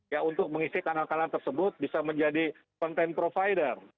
ya untuk mengisi kanal kanal tersebut bisa menjadi content provider